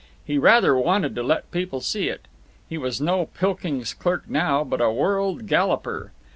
He rather wanted to let people see it. He was no Pilkings clerk now, but a world galloper.